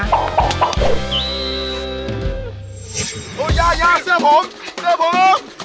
โอ้ยาเสื้อผมเสื้อผม